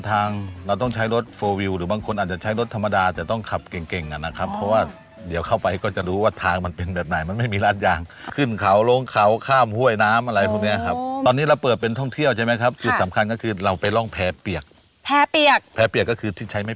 ทางเราต้องใช้รถโฟลวิวหรือบางคนอาจจะใช้รถธรรมดาแต่ต้องขับเก่งเก่งอ่ะนะครับเพราะว่าเดี๋ยวเข้าไปก็จะรู้ว่าทางมันเป็นแบบไหนมันไม่มีราดยางขึ้นเขาลงเขาข้ามห้วยน้ำอะไรพวกเนี้ยครับตอนนี้เราเปิดเป็นท่องเที่ยวใช่ไหมครับจุดสำคัญก็คือเราไปร่องแพ้เปียกแพ้เปียกแพ้เปียกก็คือที่ใช้ไม่